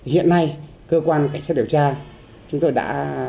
hiện nay cơ quan cảnh sát điều tra chúng tôi đã